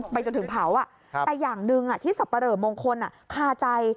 ไปจนถึงเผาแต่อย่างหนึ่งที่สับปะเหลอมงคลคาใจ